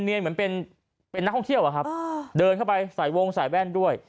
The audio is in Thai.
เหมือนเป็นนักท่องเที่ยวอะครับเดินเข้าไปใส่วงใส่แว่นด้วย